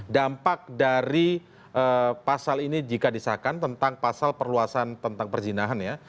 dampak dari pasal ini jika disahkan tentang pasal perluasan tentang perzinahan ya